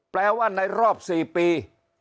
แปลว่าในรอบ๔ปี